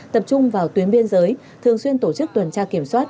tập trung vào tuyến biên giới thường xuyên tổ chức tuần tra kiểm soát